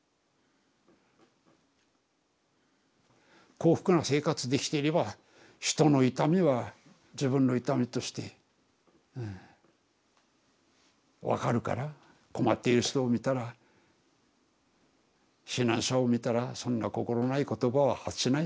幸福な生活できていれば人の痛みは自分の痛みとしてうん分かるから困っている人を見たら避難者を見たらそんな心ない言葉は発しない。